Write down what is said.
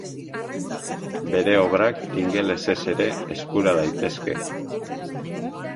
Bere obrak ingelesez ere eskura daitezke.